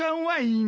はい！